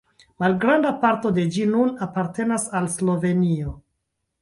Malgranda parto de ĝi nun apartenas al Slovenio.